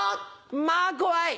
まぁ怖い。